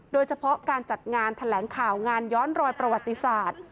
โดยเฉพาะการจัดงานแถลงข่าวงานย้อนรอยประวัติศาสตร์